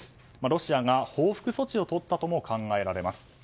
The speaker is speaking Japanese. ロシアが報復措置をとったとも考えられます。